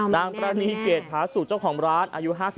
นางประณีเกรดพาสุทธิ์เจ้าของร้านอายุ๕๒